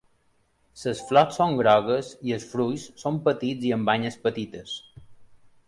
Les flors són grogues i els fruits són petits i amb banyes petites.